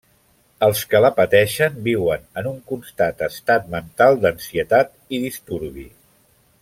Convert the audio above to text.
Els que la pateixen viuen en un constant estat mental d'ansietat i disturbi.